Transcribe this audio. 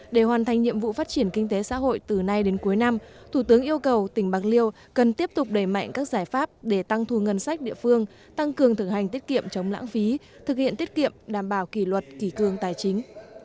để hoàn thành nhiệm vụ phát triển kinh tế xã hội từ nay đến cuối năm thủ tướng yêu cầu tỉnh bạc liêu cần tiếp tục đẩy mạnh các giải pháp để tăng thu ngân sách địa phương tăng cường thực hành tiết kiệm chống lãng phí thực hiện tiết kiệm đảm bảo kỷ luật kỳ cương tài chính